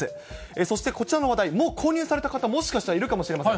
そしてこちらの話題、もう購入された方、もしかしたらいるかもしれません。